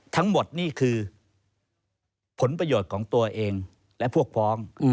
ทั้งหมดนี่คือผลประโยชน์ของตัวเองและพวกพ้อง